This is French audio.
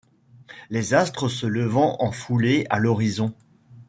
Les astres se levant en foulé à l'horizon !